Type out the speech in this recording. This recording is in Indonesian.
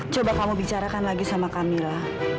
coba kamu bicarakan lagi sama kamila